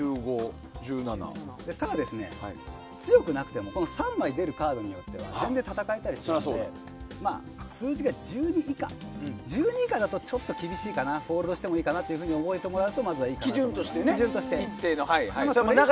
ただ、強くなくても３枚出るカードによっては全然、戦えたりするので数字が１２以下だと１２以下だと厳しいかなフォールドしていいかなと思っていただいて。